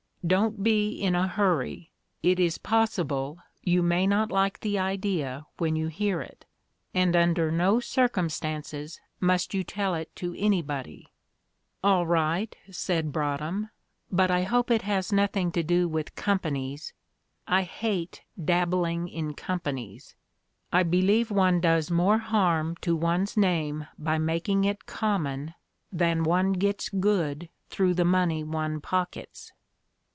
"Don't be in a hurry; it is possible you may not like the idea when you hear it, and under no circumstances must you tell it to anybody." "All right," said Broadhem, "but I hope it has nothing to do with companies I hate dabbling in companies. I believe one does more harm to one's name by making it common than one gets good through the money one pockets."